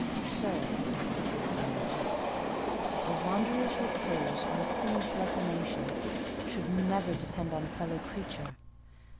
"Sir," I answered, "a wanderer's repose or a sinner's reformation should never depend on a fellow creature.